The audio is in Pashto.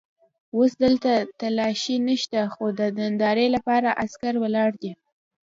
اوس دلته تالاشۍ نشته خو د نندارې لپاره عسکر ولاړ دي.